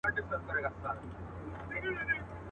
ما یې دنګه ونه په خوبونو کي لیدلې وه.